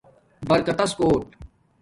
برکتس کوٹ